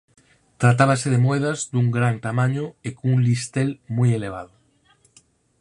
Tratábase de moedas dun gran tamaño e cun listel moi elevado.